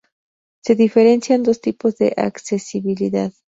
Se diferencian dos tipos de accesibilidad.